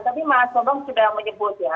tapi mas totong sudah menyebut ya